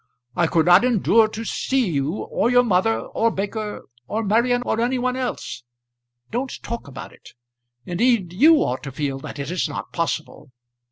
I could not endure to see you, or your mother, or Baker, or Marian, or any one else. Don't talk about it. Indeed, you ought to feel that it is not possible.